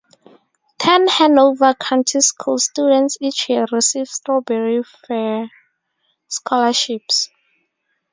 Ten Hanover County Schools students each year receive Strawberry Faire scholarships.